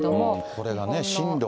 これがね、進路がね。